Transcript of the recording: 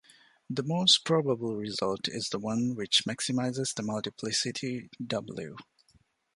The most probable result is the one which maximizes the multiplicity "W".